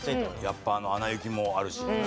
やっぱあの『アナ雪』もあるし。